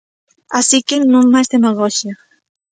Así que "non máis demagoxia".